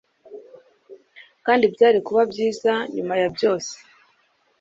Kandi byari kuba byiza, nyuma ya byose,